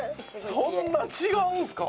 そんな違うんですか！？